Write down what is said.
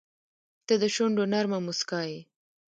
• ته د شونډو نرمه موسکا یې.